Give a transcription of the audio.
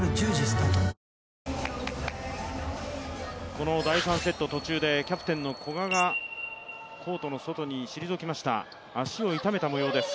この第３セット途中でキャプテンの古賀がコートの外に退きました、足を痛めた模様です。